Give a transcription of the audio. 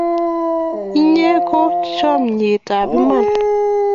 Inye koi chomyet ap iman.